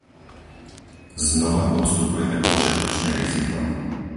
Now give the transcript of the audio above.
Znova podstupujeme počiatočné riziko?